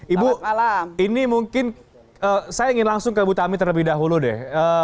ibu ini mungkin saya ingin langsung ke bu tami terlebih dahulu deh